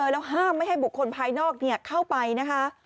แล้วห้ามให้บุคคลภายนอกเข้ากัน